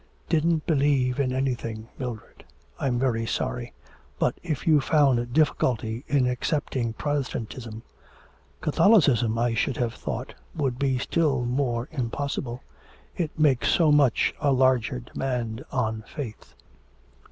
'Didn't believe in anything, Mildred I'm very sorry.... But, if you found difficulty in accepting Protestantism, Catholicism, I should have thought, would be still more impossible. It makes so much a larger demand on faith.'